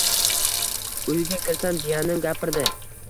Uyga kirsam jiyanim gapirdi.